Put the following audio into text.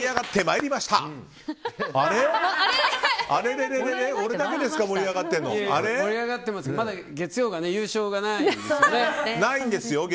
いや、盛り上がってますがまだ月曜が優勝ないんですよね。